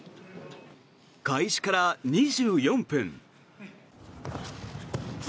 開始から２４分。